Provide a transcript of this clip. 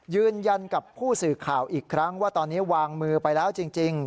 ยืนยันกับผู้สื่อข่าวอีกครั้งว่าตอนนี้วางมือไปแล้วจริง